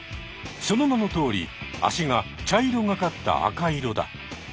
その名のとおり脚が茶色がかった赤色だ。